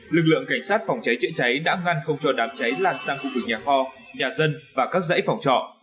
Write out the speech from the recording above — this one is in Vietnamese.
lực lượng cảnh sát phòng cháy chữa cháy đã ngăn không cho đám cháy lan sang khu vực nhà kho nhà dân và các dãy phòng trọ